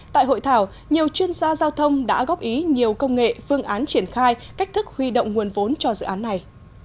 tại hội thảo nhiều chuyên gia góp ý nhiều công nghệ phương án triển khai cách thức huy động nguồn vốn cho dự án này